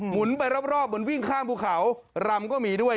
หมุนไปรอบบนวิ่งข้างภูเขารำก็มีด้วย